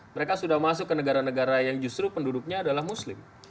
mereka sudah masuk ke negara negara yang justru penduduknya adalah muslim